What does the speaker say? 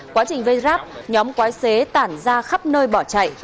quá trình vây ráp nhóm quái xế tản ra khắp nơi bỏ chạy